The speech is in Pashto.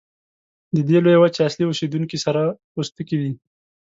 د دې لویې وچې اصلي اوسیدونکي سره پوستکي دي.